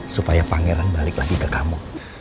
supaya pangeran balik lagi ke kamu